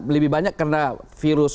lebih banyak karena virus